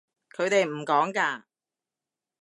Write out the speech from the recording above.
佢哋唔趕㗎